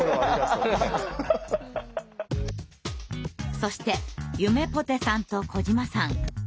そしてゆめぽてさんと小島さん。